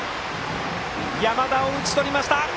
山田を打ち取りました！